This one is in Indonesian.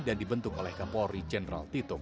dan dibentuk oleh kapolri jenderal tito